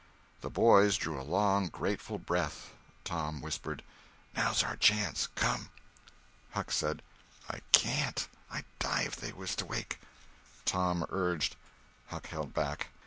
The boys drew a long, grateful breath. Tom whispered: "Now's our chance—come!" Huck said: "I can't—I'd die if they was to wake." Tom urged—Huck held back.